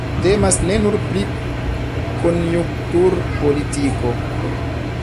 Temas ne nur pri konjunkturpolitiko.